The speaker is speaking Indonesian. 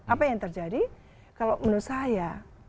apa yang terjadi kalau menurut saya